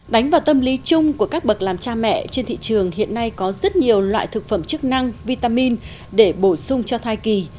đánh vào tâm lý chung của các bậc làm cha mẹ trên thị trường hiện nay có rất nhiều loại thực phẩm chức năng vitamin để bổ sung cho thai kỳ